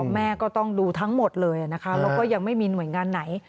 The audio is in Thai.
แม่ก็ต้องดูทั้งหมดเลยนะคะแล้วก็ยังไม่มีหน่วยงานไหน